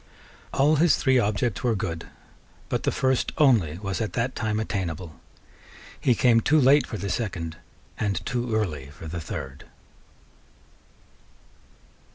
All his three objects were good; but the first only was at that time attainable. He came too late for the second, and too early for the third.